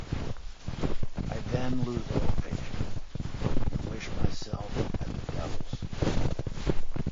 I then lose all patience, and wish myself at the devil's.